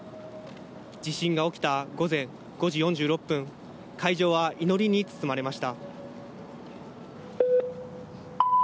地震が起きた午前５時４６分、会場は祈りに包まれました。